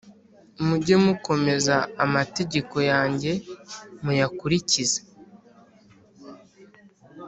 Mujye mukomeza amategeko yanjye muyakurikize